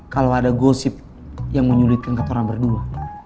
kalo ada gosip yang menyulitkan ketua orang berdua